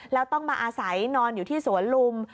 แล้วต้องมาอาศัยนอนอยู่ที่สวนลุม